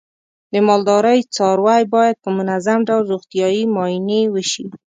د مالدارۍ څاروی باید په منظم ډول روغتیايي معاینې وشي.